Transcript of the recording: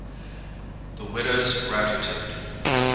_ THE WIDOW'S GRATITUDE.